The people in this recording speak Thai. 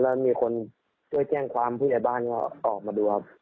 แล้วมีคนช่วยแจ้งความผู้ใหญ่บ้านก็ออกมาดูครับ